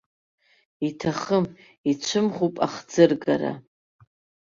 Иҭахым, ицәымӷуп ахӡыргара.